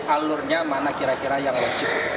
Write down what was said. alurnya mana kira kira yang wajib